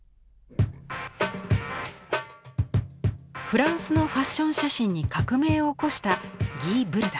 フランスのファッション写真に革命を起こしたギイ・ブルダン。